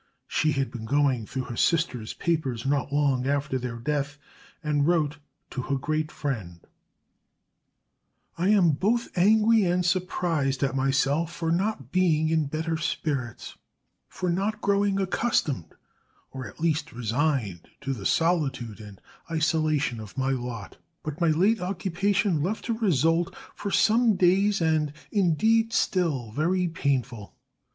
She had been going through her sisters' papers not long after their death, and wrote to her great friend: "I am both angry and surprised at myself for not being in better spirits; for not growing accustomed, or at least resigned, to the solitude and isolation of my lot. But my late occupation left a result, for some days and indeed still, very painful.